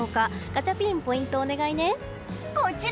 ガチャピン、ポイントお願いね。